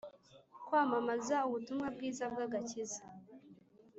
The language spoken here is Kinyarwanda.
Kwamamaza ubutumwa bwiza bw Agakiza